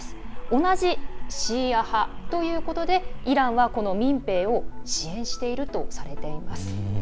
同じシーア派ということでイランはこの民兵を支援しているとされています。